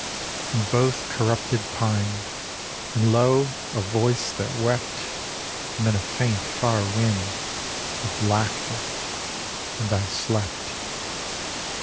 And both corrupted pined. And lo! a voice that wept, And then a faint far wind Of laughter; and I slept.